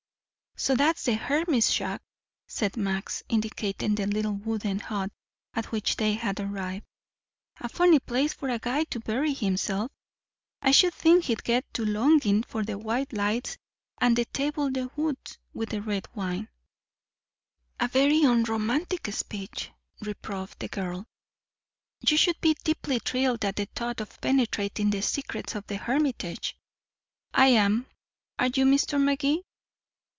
"So that's the hermit's shack," said Max, indicating the little wooden hut at which they had arrived. "A funny place for a guy to bury himself. I should think he'd get to longing for the white lights and the table d'hôtes with red wine." "A very unromantic speech," reproved the girl. "You should be deeply thrilled at the thought of penetrating the secrets of the hermitage. I am. Are you, Mr. Magee?"